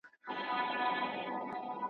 یوه ښځه یو مېړه له دوو ښارونو !.